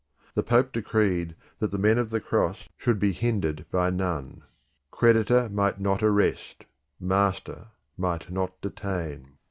The Pope decreed that the men of the cross should be hindered by none. Creditor might not arrest; master might not detain.